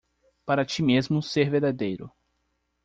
Para ti mesmo ser verdadeiro